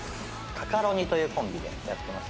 カカロニというコンビでやってます。